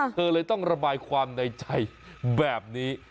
เธอเลยต้องระบายความในใจแบบนี้